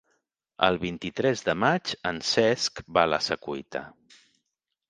El vint-i-tres de maig en Cesc va a la Secuita.